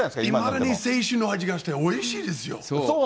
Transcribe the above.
いまだに青春の味がしておいしいですよ。